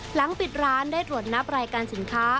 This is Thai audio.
หลังปิดร้านได้ตรวจนับรายการสินค้า